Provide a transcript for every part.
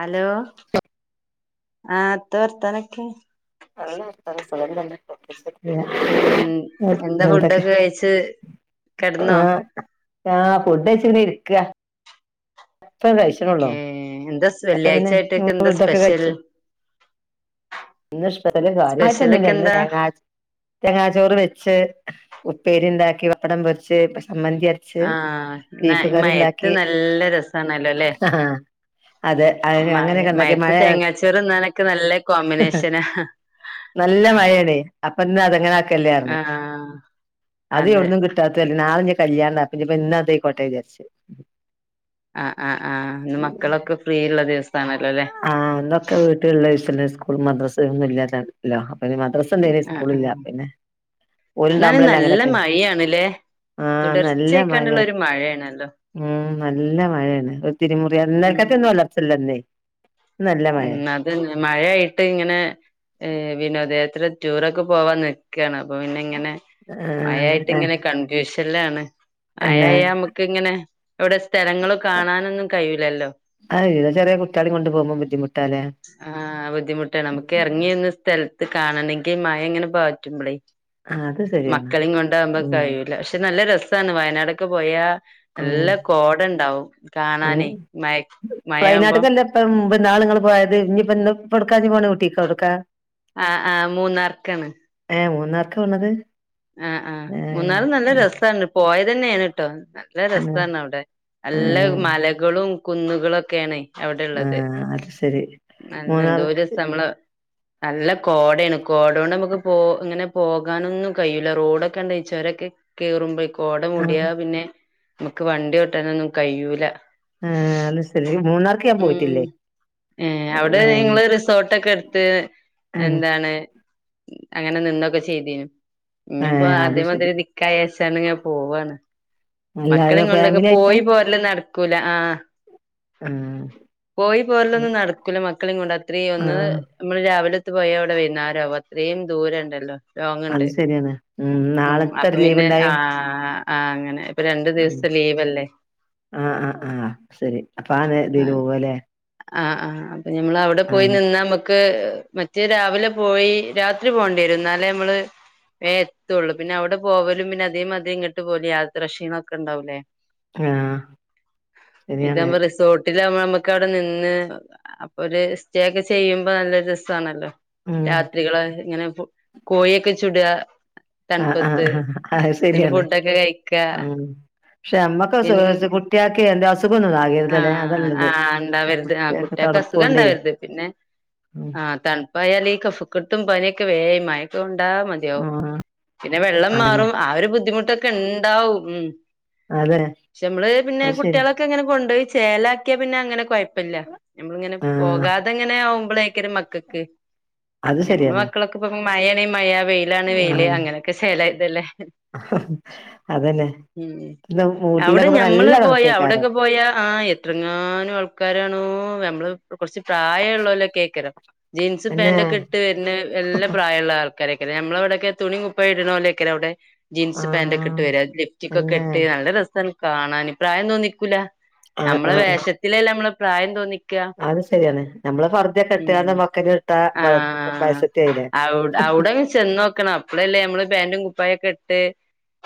Hello ആഹ് ത്ത വർത്താനൊക്കെ നല്ല വർത്താനം സുഖം തന്നെ പ്രത്യേകിച്ച് ഏൻ എന്താ എന്തൊക്കെ ഫുഡൊക്ക കയിച്ച് കെട്ന്നോ ആഹ് ഫുഡ്‌ഡെയ്ച്ച് ഒന്ന് ഇരിക്കാ ഇപ്പ കയ്ച്ചണൊള്ളോ ഏ എന്താ [unintelligible] വെള്ളിയാഴ്ച പിന്നെ ആയിട്ടൊക്കെ എന്താ [unintelligible] സ്പെഷ്യൽ കഴിച്ച് ഇന്ന് സ്പെഷ്യൽ കാര്യായിട്ട് സ്പെഷ്യലൊക്കെ ഒന്നുമില്ല എന്താ തേങ്ങാ ചോ തെങ്ങാ ചോറ് വെച്ച് ഉപ്പേരി ഇണ്ടാക്കി പടം പൊരിച്ച് ഇപ്പ സമ്മന്തി അര ആഹ് നയ്-മയെത്ത് നല്ല രസാണല്ലോല്ലെ ആഹ് ആഹ് മയ മയത്ത് തേങ്ങാച്ചോറ് ന്നാനൊക്കെ നല്ല കോമ്പിനേഷനാ ഹഹ നല്ല മയേണ് അപ്പൊന്ന് അതങ്ങനെ ആക്കല്ലാന്ന് ആ അതെ [unintelligible] നാളെനി കല്യാണ പിനിപ്പിന്നതേയ്ക്കോട്ടെ വിചാര്ച് ആഹ് ആഹ് ആഹ് ഇന്ന് മക്കളൊക്കെ ഫ്രീള്ള ദിവസാണല്ലോല്ലേ ആഹ് ഇന്നൊക്കെ വീട്ടിള്ള ഈസല്ലേ സ്കൂളും മദ്രസയൊന്നും ഇല്ലാല്ലാ ല അപ്പൊ ഇനി മദ് മദ്രസ ഇണ്ടോയിനി സ്കൂള് ഇല്ല അപ്പം പിന്നെ ഇന്നാണേ ഓലുണ്ടാവുമ്പളല്ലേ നല്ല അങ്ങനെയൊക്കെ മയാണ് ല്ലേ ആഹ് നല്ല തുടർച്ചയായിക്കാണ്ടുള്ള മഴയാണ് ഒരു മഴേണല്ലോ ഉം നല്ല മഴയാണ് ഒരു തിരിമുറി ഉം [unintelligible] ഉം അത് മഴയായിട്ട് ഇങ്ങനെ ഏഹ് വിനോദയാത്ര റ്റൂറൊക്കെ പോവാൻ നിക്കാണ് അപ്പൊ പിന്നെ ഇങ്ങനെ ആഹ് മയായിട്ട് ആഹ് ഇങ്ങനെ കൺഫ്യൂഷല്ലാണ് അല്ലെ അയയാ അമുക്ക് ഇങ്ങനെ അവിടെ സ്ഥലങ്ങളൊകാണാനൊന്നും കയ്യൂലല്ലോ ആഹ് ഇത് ചെറിയ കുട്ട്യാളേം കൊണ്ട് പോവുമ്പോ ബുദ്ധിമുട്ടാല്ലേ ആഹ് ബുദ്ധിമുട്ടാണ് നമുക്ക് എറങ്ങിന്ന് സ്ഥലത്ത് കാണണെങ്കി മയ ഇങ്ങനെ പാറ്റുമ്പളേ ആഹ് അത് ശരിയാണ് മക്കളേം കൊണ്ടാവുമ്പോ ഉം കഴിയ്യൂല പക്ഷെ നല്ല രസാണ് വയനാടൊക്കെ പോയാ ഉം നല്ല കോട ഇണ്ടാവും ഉം കാണാന് മയ മയാവുമ്പോ വയനാട്ട്ക്കല്ലേ മുമ്പ് ഇന്നാള് ഇങ്ങള് പോയത് ഇനി ഇപ്പ ഇന്ന് ഇപ്പെവ്ടക്കാ ഇനി പോണത് ഊട്ടീക്കോ എവ്ടക്കാ ആഹ് ആഹ് മൂന്നാർക്കാണ് ഏ മൂന്നാർക്ക വന്നത് ആഹ് ആഹ് മൂന്നാർ നല്ല രസാണ് പോയതന്നേ ആണ് ട്ടോ നല്ല ആഹ് രസാണ് അവ്ടെ നല്ല ആഹ് മലകളും കുന്നുകളും ഒക്കേണെ അവിടെള്ളത് ആഹ് അത് ശരി നല്ല എന്തോ മൂന്നാർക്ക് രസാ നമ്മള് നല്ല കോടയാണ് കോട കൊണ്ട് നമുക്ക് പോ ഇങ്ങനെ പോകാനൊന്നും കയ്യുല്ല റോഡൊക്കെ എന്താ ഈ ച്ചൊരൊക്കെ കേറുംമ്പെ കോട ആഹ് മൂടിയ പിന്നെ നമ്മക്ക് വണ്ടി ഓട്ടാനൊന്നും കയ്യൂല ആഹ് അത് ശരി മൂന്നാർക്ക് ഞാൻ പോയിട്ടില്ലേ ഏ അവിടെ ആഹ് നിങ്ങള് റിസോട്ടക്ക എടുത്ത് ആഹ് എന്താണ് അങ്ങനെ നിന്നൊക്കെ ചെയ്തീനു ഇഞിപ്പൊ ആഹ് അത് ശരി അദേമാതിരി ദിക്കായെച്ചാന്ന പോവാണ് എല്ലാരും മക്കളിം കൊണ്ടൊക്കെ ഫാമിലി ആയിട്ടാ പോയി പോരല് നടക്കൂല ആഹ് ആഹ് പോയി പോര്ലൊന്നും നട്ക്കുല മക്കളിം കൊണ്ട്. അത്രീം ഒന്ന് ആഹ് മ്മള് രാവിലത്ത് പോയ അവടെ വൈന്നേരാവും അത്രീം ദൂരണ്ടല്ലൊ അത് ശരിയാണ്. ഉം അപ്പൊ നാളത്തൊരു പിന്നെ ലീവ്ണ്ടായൊ ആഹ് ആഹ് അങ്ങനെ ഇപ്പൊ രണ്ടു ദിവസത്തെ ലീവല്ലേ ആഹ് ആഹ് ആഹ് ശരി അപ്പ ആഹ് നതില് പോവാല്ലെ ആഹ് ആഹ് അപ്പൊ ഞമ്മളവടെ പോയി നിന്നമ്മക്ക് പ്പ് മറ്റെ രാവിലെ പോയി രാത്രി പോണ്ടീരും എന്നാല് മ്മള് വേ എത്തൊള്ളു പിന്നെ അവ്ടെ പോവലും പിന്നെ അതേ മാതിരി ഇങ്ങ്ട്ട് പോലു യാത്ര ക്ഷീണൊക്കണ്ടാവൂലെ ആഹ് ശരിയാണ് ഇതമ്മ റിസോർ ട്ടിലാമ്പ ഞമ്മക്കവ്ടെ നിന്ന് അപ്പൊര് സ്റ്റേ ഒക്കെ ചെയ്യുമ്പൊ നല്ലൊരു രസാണല്ലൊ ഉം രാത്രികള ഇങ്ങനെ കോഴിക്കെ ചുട്അ ആഹ് ആഹ് ആഹ് അത് എന്നിട്ട് സരിയാണ് ഫുഡൊക്കെ കഴിക്ക ഉം പഷെ ഞമ്മക്ക് പിന്നെ [unintelligible] കുട്ട്യേക്ക് എന്ത അസുഖൊന്നു കാ ആഹ് ആഹ് ഇണ്ടാവര്ത് ആഹ് കുട്ടിയാക്ക് കുട്ടീക് തണുപ്പോണ്ടേ അസുഖണ്ടാവര്ത് പിന്നെ ഉം ആഹ് തൺപ്പായാല് ഈ കഫക്കെട്ടും പനിയൊക്കെ വേം മഴ കൊണ്ടാ മതി യൊ ആഹ് പിന്നെ വെള്ളം അതന്നെ മാറും ആഹ് ഒര് ബുദ്ധിമുട്ടൊക്കെണ്ടാവും ഉം അതെ പഷെമ്മള് പിന്നെ അത് ശരി കുട്ടീളൊക്കെ ഇങ്ങനെ കൊണ്ടോയി ചേലാക്ക്യ പിന്നെ അങ്ങനെ കൊയ പ്പല്ല നമ്മളിങ്ങനെ ആഹ് പോകാതങ്ങ്നെ ആവുമ്പളെക്കാരം മകക്ക് അത് ഞമ്മ്ളെ ശരിയാണ് മക്കളൊക്കെ ഇപ്പ മഴാണെ മഴ വെയിലാണെ വെയില് ആഹ് അങ്ങനൊക്കെ ശേലയതല്ലെ അതന്നെ പി അവിടെ ഊട്ടീലൊക്കപ്പ ഞമ്മള് നല്ല പോയ തണ്പ്പെക്കാരം അവിടൊക്കെ പോയാ ആഹ് എത്രങ്ങാനും ആൾക്കാരണോ. ഞമ്മ്ള് കൊറച്ച് പ്രായള്ളോലെക്കാരം ജീൻസ് അന്നെ പാന്റൊക്കട്ട് വര്ണ നല്ല പ്രായള്ള ആൾ കാരയ്കലെ ഞമ്മ്ളവ്ടൊക്കെ തുണീ കുപ്പായിട്ണോലെക്കാരം അവടെ ജീൻസ് പാന്റൊക്കെ ഇട്ട് ആഹ് വര അന്നെ ലിഫ്റ്റികൊക്കട്ട് നല്ല രസം കാണാൻ പ്രായം തോന്നിക്കൂല ആഹ് ഞമ്മളെ ആഹ് ആഹ് വേഷത്തിലല്ല ഞമ്മളെ പ്രായം തോന്നി അത് ശരിയാണ് ഞമ്മള് പർദ ക്ക്ട്ടാണ്ട് ഉം മക്കനിം ഇട്ടാ. വയസത്തി ആയിലെ ഔട് അവിടെ ചെന്നോക്കണം അപ്പളല്ലെ മ്മള് പാന്റും കുപ്പായൊക്കെ ഇട്ട്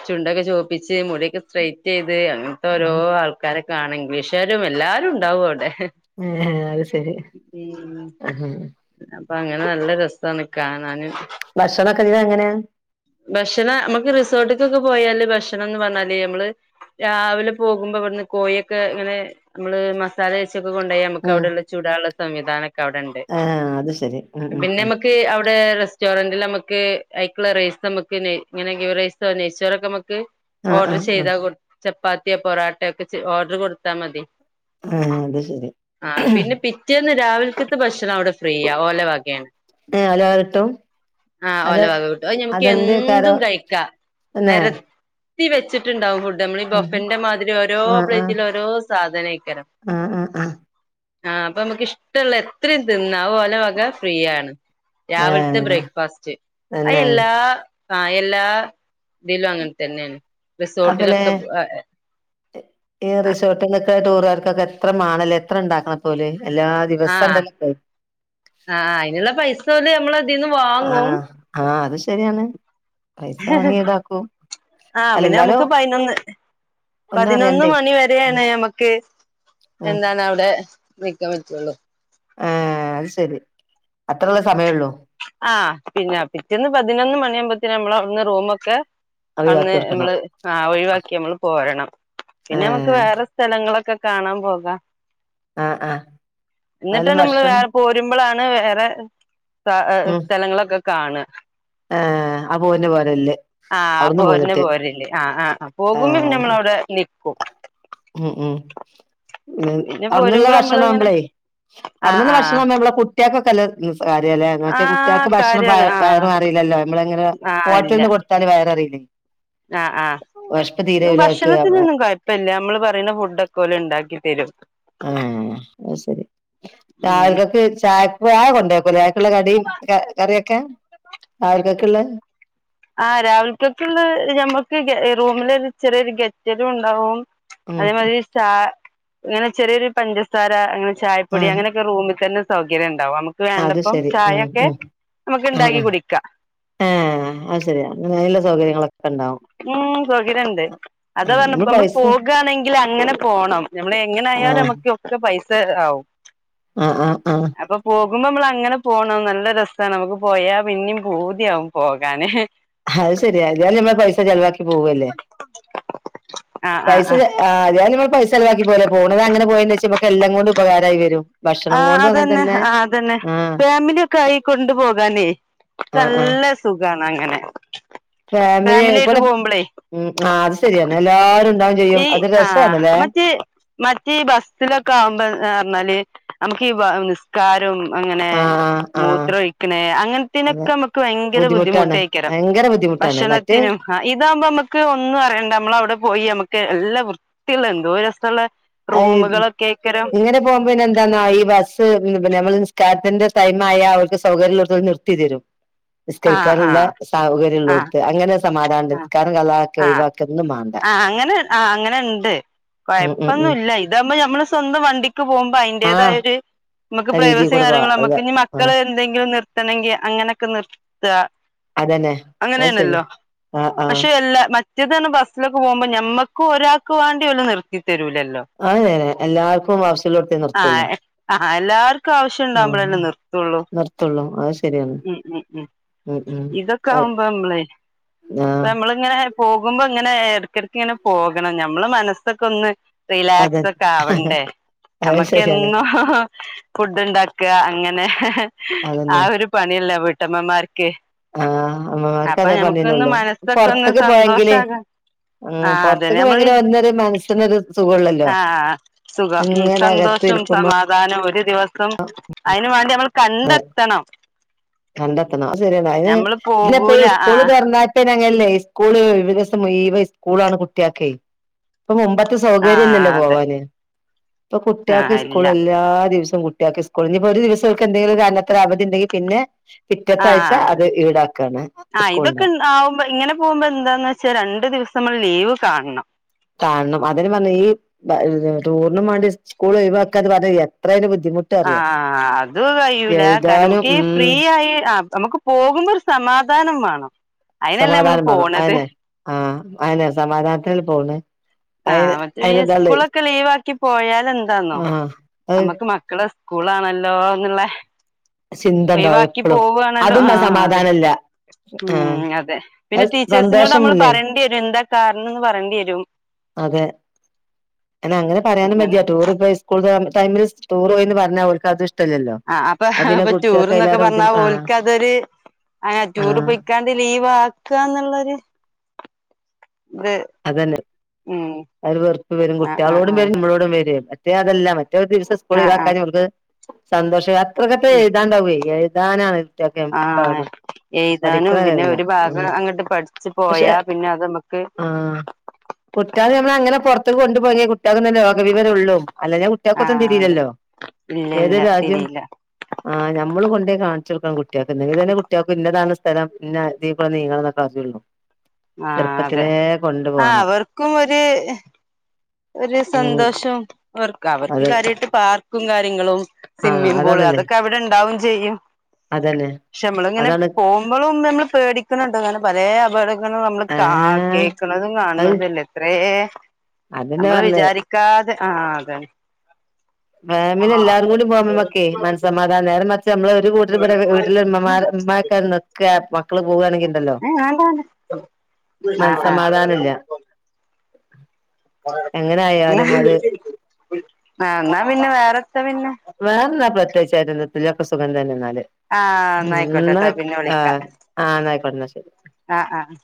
ചുണ്ടൊക്കെ ചോ മിച്ച് മുടിയൊക്കെ സ്ട്രൈറ്റീത് അങ്ങൻത്തോരൊ ആഹ് ആൾക്കാരൊക്കെ കാണ് ഇംഗ്ലീഷാരും എല്ലാരും ഇണ്ടാവവടെ ഏഹ് അഹ് സരി ആഹ് അപ്പ അങ്ങന നല്ല രസാണ് കാണാന് ഭക്ഷണൊക്കെങ്ങ അങ്ങനെ ഭക്ഷണം ഞമ്മക്ക് റിസോർട്ടികൊക്കെ പോയാല് ഭക്ഷണംന്ന് പറഞ്ഞാല് ഞമ്മള് രാവിലെ പോകുമ്പവിട്ന്ന് കോഴിക്കെങ്ങനെ നമ്മള് മസാല വെച്ചൊക്കെ കൊണ്ടോയ മ്മക്ക് ഉം അവിടെ ചുടാള്ള സംവിധാനൊക്കെ ക്ക അവടെണ്ട് ആഹ് അത് ശരി ഉം ഉം പിന്നെ ഉം ഞമ്മക്ക് അവടെ റസ് സ്റ്റോറന്റില് അമ്മക്ക് അയ്ക്ക്ള്ള റൈസ് അമ്മക്ക് ഇങ്ങനെ ഗീ റൈസൊ നെയ്ചോറൊകെ അമ്മക്ക് ആഹ് ഓഡ്റ് ആഹ് ആഹ് ചെയ്താ കു ചപ്പാത്തിയൊ പൊറോട്ടെ ഒക്കെ ഓഡ്റ് കൊടുത്താ മതി ഉം അത് ശരി ആഹ് പിന്നെ പിറ്റേന്ന് രാവിൽക്കത്തെ ഭക്ഷണം അവടെ ഫ്രീയ്യ ഓല വകാണ് ഏഹ് ഓല വക കിട്ടും ആഹ് അത് ഒലവക കിട്ടും. അത് ഞമ്മക്ക് എന്തും അതെന്തേക്കാരം കഴിക്ക തന്നെ നെര ത്തി വച്ച്ട്ട്ണ്ടാവും ഫുഡ്ഡ് ഞമ്മളെ ഇ ആഹ് ബൊഫന്റമാതിരി ഓരോ ആഹ് ആഹ് പ്ലെട്ടില് ഓരോ സാധനയ്ക്കരം ആഹ് ആഹ് ആഹ് ആഹ് അപ്പൊ ഞമ്മക്ക് ഇഷ്ടള്ള എത്രിം തിന്ന അഹ് ഓല വ ക്കെ ഫ്രീയാണ് രാവിൽത്തെ ഏഹ് ബ്രേക്ക്ഫാസ്റ്റ് അഹ് തന്നെ എല്ലാ തായെല്ലാ തിലും അങ്ങൻ തന്നെണ് അപ്പലെ റിസോർട്ടിലൊക്കെ. ഈ റിസോർട്ട്ന്നൊക്കെ ടൂറുകാർക്കൊക്കെ എത്ര മാണലേ എത്ര ണ്ടാക്കണപ്പോല് എല്ലാ ദിവസം ആഹ് ഉണ്ടല്ലോ ആഹ് അയിന്ള്ള പൈസ ഓല് അമ്മളെ ട് ആഹ്‌ ആഹ്‌ അത് ശരിയാണ്. പൈസ വാങ്ങി ഈടാക്കും ആഹ്‌ അല്ല എന്നാലും പിന്നെമ്മക്ക് പയിനൊന്ന്. ഒന്നും പതിനൊന്ന് അറിയണ്ടേ മണി ഉം വരെയാണ് അമ്മക്ക് ഉം എന്താണ് അവടെ. നിക്കാൻ പറ്റുള്ളൂ. അയ് ശെരി അത്രള്ള സമയള്ളൂ. ആഹ്‌ പിന്നെ പിറ്റേന്ന് പതിനൊന്ന് മണിയാവുമ്പോത്തിന് നമ്മളൊട്ന്ന് റൂമൊക്കെ. ഒഴിവാക്കി അന്ന് കൊടുക്കണം അമ്മള് ആഹ് ഒഴിവാക്കി അമ്മള് പോരണം പിന്നെ മ്മക്ക് ഏഹ് വേറെ സ് സ്ഥലങ്ങളൊക്കെ കാണാൻ പോകാ. ആഹ് ആഹ് എന്നാലും ന്നട്ടാണ് അമ്മള് ഭക്ഷണം വേറെ പോരുമ്പളാണ് വേറെ. കാ എഹ് ഹ് സ്ഥലങ്ങളൊക്കെ കാണ. ആഹ്‌ അ പോര്ന പോരല്ല്. ആഹ്‌ പോര്ന്നെ പോരല്ല് ആഹ്‌ ആഹ് പോകുമ്പോം ആഹ് ഞമ്മളവിടെ നിക്കും. ഉം ഉം [unintelligible] പിന്നെ അവടന്ന്ള്ള പോരുമ്പോ നമ്മളിങ്ങനെ ഭക്ഷണാവുമ്പളേ ആഹ് അട്ന്ന്ള്ള ആഹ് ഭക്ഷണാവുമ്പം ഞമ്മളെ കുട്ട്യേക്കൊക്കല്ലെ [unintelligible] മറ്റേ കുട്ട്യേൾക്ക് ആഹ് ഭക്ഷണം വയ കാര്യാണ് വയർ ആഹ് നറീലല്ലോ മ്മളങ്ങനെ ഹോട്ടൽന്ന് കൊട് [unintelligible] ആഹ്‌ ആഹ് അവർക്ക് ഭക്ഷണത്തിനൊന്നും കൊയ് പ്പല്ല്യേ അമ്മള് പറിണ ഫു‌ഡോക്കെ ഓല് ണ്ടാക്കി തരും. ആഹ്‌ അയ് ശരി ഉം രാവിലെക്കക്ക് ചായ ചായ കൊണ്ടേക്കുലെ. ള്ള കടിം കറിയൊക്കെ രാവിൽക്ക്‌ള്ള ആഹ്‌ രാവിൽ ക്കക്ക് ള്ള മ്മക്ക് റൂമിലൊരു ചെറിയൊരു ഗെറ്റലും ണ്ടാവും. ഉം അതേമാതിരി ചാ ങ്ങനെ ചെറിയൊരു പഞ്ചസാര അങ്ങനെ. ചായപ്പൊടി ആഹ് അങ്ങനോക്കെ റൂമിൽ തന്ന സൗകര്യം ണ്ടാവും അത് വേണ്ടപ്പം ശരി ഉം ചായൊക്കെ ഉം അമ്മക്ക് ആഹ് ണ്ടാക്കി ആഹ് കുടിക്കാ. ഏഹ് അയ് ശരിയാ [unintelligible] സൗകര്യങ്ങളൊക്കെ. ക്കണ്ടാവും. ഉം സൗകര്യണ്ട് അതാ പറഞ്ഞ അ നമ്മള് മ്മള് പൈസ പോകാനേങ്കിൽ അങ്ങനെ പോണം ഞമ്മള് എങ്ങനായാലും ആഹ് അമ്മക്ക്. ത്ര പൈസ ആവും. ആഹ് ആഹ് അ അപ്പൊ പോകുമ്പോ മ്മളങ്ങനെ പോണം നല്ല രസണ് അമ്മക്ക് പോയാ പിന്നിം പൂതിആവും പോകാന്. അയ് ശരിയ ഏതായാലും അമ്മള് പൈസ ചെലവാക്കി പോവല്ലേ ആഹ് ആഹ് പൈസ. ആഹ് ഞാനിപ പൈസ ചെലവാക്കി പോവല്ലേ പോണത് അങ്ങനെ പോയന്ന് വെച്ചാ മ്മക്ക് എല്ലാം കൊണ്ടും ഉപകാരായി വരും. ഭക്ഷണം ആഹ്‌ കൊണ്ടും അങ്ങനെ അതന്നെ തന്നെ ആഹ്‌ അതന്നെ ആ ഫാമില്യോ ക്കെ ആയി. കൊണ്ടു പോകാനേ ആ ആ നല്ല സുഖാണ് അങ്ങനെ. ഫാമിലി ആയിട്ട് വടെ പോകുമ്പളേ ഉം അഹ് അത് ശരിയന്ന എല്ലാരുംണ്ടാവും. ഈ ആഹ്‌ മറ്റേ. മറ്റീ ബസ്സിലൊക്കെ ആവുമ്പോന്ന് പറഞ്ഞാല് അമ്മക്കീ നിസ് കാരും അങ്ങനെ ആ ആ ആ മൂത്രൊഴിക്കണ അതെ അങ്ങൻത്തേനൊക്കെ അമ്മക്ക് ഭയങ്കര ബുദ്ധിമുട്ടാണ് ബുദ്ധിമുട്ടേക്കാരം. ഭയങ്കര ബുദ്ധിമുട്ടാണ് മറ്റേ. ആഹ്‌ ഇതാവുമ്പോ മ്മക്ക് ഒന്നും അറിയണ്ട നമ്മളവിടെ പോയി അമ്മ ക്ക്‌ എല്ലാ വൃത്തിള്ള എന്തോര് രസള്ള. അയ് റൂമുകളൊക്കെ ഏക്കാരം ങ്ങനെ. പോകുമ്പോ പിന്നെന്താന്നാ യി ഈ ബസ് നമ്മള് നിസ്കാരത്തിന്റെ ടൈമായ അവർക്ക് സൗകര്യള്ളോട്ത് നിർത്തി തരോ ആഹ് നിസ്കരിക്കാനുള്ള ആഹ് ആഹ് സൗകര്യള്ളോട്ത് അങ്ങനെ ഒരു സമാദാനണ്ട് നിസ്കാരം കളാ ആക്കെ ഒയിവാക്കെ ഒന്നും മാ ആഹ്‌ അങ്ങനെ ആ അങ്ങനെണ്ട് ഉം ഉം ഉം കൊഴപ്പൊന്നുല്ല ഇതാവുമ്പോ മ്മളെ സ്വന്തം വണ്ടി. ക്ക് പോകുമ്പോ ആ അതിന്റേതായ ഒരു നമുക്ക് രീതിയിൽ പ്രൈവസിയും കൂടെ പോവാ കാര്യങ്ങളും നമുക്ക് അതെ ഇനി ആ മക്കൾ എന്തെങ്കിലും നിർത്തണെങ്കിൽ അങ്ങനെയൊക്കെ നിറുത്ത അതന്നെ അത് ശരി അങ്ങനെയല്ലല്ലോ ആ ആ പക്ഷെ എല്ല പറ്റത്തന്ന് ബസ്സൊക്കെ പോകുമ്പോൾ ഞമ്മക്കും ഒരാക്ക് വേണ്ടി വലും നിർത്തിത്തരൂലല്ലോ അതന്നെ എല്ലാർക്കും ആവശ്യള്ളോട്ത്തേ നിർത്തുള്ളൂ ആഹ് ആഹ് എല്ലാർക്കും ആ ആവശ്യമുണ്ട നിർ [unintelligible] നിർത്തുള്ളൂ അത് ശരിയാണ് ഉം ഉം ഉം ഉം ഇതൊക്കെ ആവുമ്പോ നമ്മളെ ആഹ് ഇങ്ങനെ പോകുമ്പോൾ ഇങ്ങനെ ഇടക്കിടക്ക ഇങ്ങനെ പോകണം നമ്മളെ മനസ്സൊക്കെ ഒന്ന് അതെ റിലാക്സ് ഒക്കെ ആവണ്ടേ അത് ശരിയാണ് നമുക്കെന്നോ ഫുഡ് ഉണ്ടാക്കുക അങ്ങനെ അതന്നെ ആഹ് ഒരു പണിയല്ല വീട്ടമ്മമാർക്ക് ആഹ് അമ്മമാർക്ക് അപ്പൊ അതേ ഞമ്മക്കൊന്ന് പണിയുള്ളത് മനസ്സൊക്കെ ഒന്ന് പുറത്തേക്ക് പോയേങ്കിലേ സന്തോഷാകാൻ ആ ഉം അതന്നെ പുറത്തേക്ക് നമ്മള് [unintelligible] മനസ്സിനൊരു സുഖവൂള്ളല്ലോ ആ സുഖം ഉം സന്തോഷം സമാധാനം ഒരു ദിവസം അതിന് വേണ്ടി നമ്മൾ കണ്ടെത്തണം കണ്ടെത്തണം ആ ശരിയണ്ട ഞമ്മള് നീ പോകൂല എപ്പോഴും ആ സ്കൂൾ തുറന്നാ അങ്ങനല്ലേ സ്കൂള് ഒയിവ് സം മുയുവൻ സ്കൂള ആണ് കുട്ടിയക്കെ ഇപ്പൊ മുമ്പത്തെ ആ സൗകര്യം ഇല്ലല്ലോ അതെ പോവാന് ഇപ്പൊ ആ കുട്ടികക്ക് സ്കൂൾ ഇല്ല എല്ലാ ദിവസവും കുട്ടിയക്കി സ് കുളിഞ്ഞപ്പോ ഒരു ദിവസൊക്കെ എന്തെങ്കിലൊരു അവധിണ്ടങ്കി പിന്നെ പിറ്റത്ത ആ ആഴ്ച്ച അത് ഈടാക്കാണ് സ്കൂള്ണ്ടാവും. ആവുമ്പൊ ഇങ്ങനെ പോകുമ്പോ എന്താന്ന് വെച്ചാ രണ്ടു ദിവസം നമ്മൾ ലീവ് കാണണം. കാണണം. അതിനും വന്ന് ഈ ഈഹ് ടൂറിനും വേണ്ടി സ്കൂള് ഒഴിവാക്ക്വാ അത് എത്രേലും ബുദ്ധിമുട് ആഹ് അത് കയ്യൂല. കാരണം എഴുതാനും നമുക്ക് ഈ ഉം ഫ്രീ ആയി ആ നമ്ക്ക് പോകുമ്പോ ഒരു സമാധാനം വേണം. അയിനല്ലേ നമ്മള് സമാധാനം ബേണം, പോണത് അതന്നെ. ആഹ് അതന്നെ സമാധാനത്തിനല്ലേ പോവ്ന്നെ. ആഹ് മറ്റേ ഈ സ്കൂളൊക്കെ ലീവാക്കി പോയാലെന്താന്നോ, ആഹ് അത് നമ്മക്ക് മക് ക്കടെ സ്കൂളാണല്ലോന്ന്ള്ളെ ചിന്തണ്ടാവും ഒഴിവാക്കി എപ്പളും പോവാണല്ലോ അതും ആഹ് അതെ സമാധാനല്ല ആഹ് ഉം അതെ. പിന്നെ അത് ടീച്ചേഴ്സിനോട് നമ്മൾ സന്തോഷമില്ലേ പറയേണ്ടി വരും, എന്താ കാരണം പറയേണ്ടി വരും. അതെ എന്നാ അങ്ങനെ പറയാനും അങ്ങനെ മടിയാ. ടൂർ ഇപ്പോ സ്കൂൾ ടൈമിൽ ടൂർ പോയിന്ന് പറഞ്ഞാ ഓർക്ക് അതും ഇഷ് ആഹ് അപ്പൊ ഇപ്പൊ ടൂറ്ന്നൊക്കെ പറഞ്ഞാ ബുദ്ധിമു ആഹ് ഓൽക്ക് അതൊര്, ടൂറ് ആഹ് പോയിക്കാ ഇത് ലീവാക്ക്വാന്ന്ള്ളരു ഇത് അതന്നെ ഉം ആ ഒരു വെറ്പ്പ് വരും, ആ ആ കുട്ട്യാളോടും ആ വരും നമ്മളോടും വര്വേ. മറ്റേ അതെല്ലാ മറ്റേ ഒരു ദിവസം ആ ആ സ്കൂളൊഴിവാക്കാന് ഇവർക്ക് സന്തോഷായി. അത്രക്കട്ട എഴ്താൻ ഇണ്ടാവേ. എഴ്താനാണ് ആഹ് എയ്താനും പിന്നെ കാര്യല്ല ഒരു ഭാഗം ഉം അങ്ങട്ട് പഠിച്ച് പക്ഷെ പോയാ പിന്നെ അത് ഇമ്മക്ക് ആഹ് കുട്ട്യാളെ നമ്മളെങ്ങനെ പൊറത്തെക്ക് കൊണ്ടുപോയിഞ്ഞ കുട്ട്യേക്ക്ന്ന് ലോക വിവരുള്ളു. അല്ലെഞ്ഞ കുട് ട്ട്യേക്കത്തും ആഹ് അതെ തിരീലല്ലോ? ഇല്ല ഏത് ഇല്ല രാജ്യം തിരിയില്ല ആഹ് ഞമ്മള് കൊണ്ടോയി കാണിച്ചൊട്ക്കണം കുട്ട്യാക്ക്, എന്നെങ്കിലല്ലേ കുട്ട്യാക് പിന്നതാണ് സ്ഥലം ഇന്ന ദീപാ നീങ്ങണം എന്നക്കെ അറീള്ളൂ. ആഹ് അതെ. ആഹ് പോണം അവർക്കും ഒര് ഒരു ഉം സന്തോഷം അവർക്ക്, അവർക്ക് അത് കാര്യായിട്ട് പാർക്കും കാര്യങ്ങളും ആഹ് സ്വിമ്മിംഗ് പൂള്, അതാണല്ലേ അതൊക്കെ അവിടെണ്ടാവും ചെയ്യും. അതന്നെ പക്ഷെ നമ്മള് ഇങ്ങനെ അതാണ് പോകുമ്പളും നമ്മള് പേടി ക്കണ്‌ ണ്ട് അങ്ങനെ പലേ അപകടങ്ങളും നമ്മള് ഏഹ് കേക്ക്ണതും അത് കാണണതുല്ലേ എത്രേ. അതന്നെ നമ്മള് പറഞ്ഞേ വിചാരിക്കാതെ, ആഹ് അതെ. ഫാമിലി എല്ലാരും കൂടി പോകുമ്പ ഇമ്മക്കെ മനസ്സമാധാനാ, നേരെ മറിച്ച് നമ്മള് ഈ വീട്ടിലിവിടെ വീട്ടില് ഇമ്മമാരൊ ഇമ്മയൊക്കെ നിക്കാ പ ഏഹ് ഞാൻ പോവൂല. ആഹ് ആഹ് മനസ്സമാധാനം ഇല്ല എങ്ങനെ ആയാലും അത് എന്നാ പിന്നെ വേറെത്താ പിന്നെ? വേറെന്താ, പ്രത്യേകിച്ച് [unintelligible] ഇപ്പൊ ഇല്ല. സുഖം തന്നെ എന്നാല്. ആ എന്നായിക്കോട്ടെട്ടോ ന്നായിക്ക് ആഹ് ആഹ് ന്നാ ആയിക്കോട്ടെന്നാ ശരി. ആഹ് ആഹ്